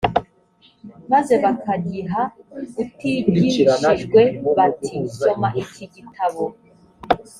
maze bakagiha utigishijwe bati soma iki gitabo